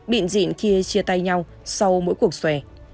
biện diện khi chia tay nhau sau mỗi cuộc xòe